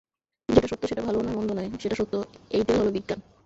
যেটা সত্য সেটা ভালোও নয় মন্দও নয়, সেটা সত্য, এইটেই হল বিজ্ঞান।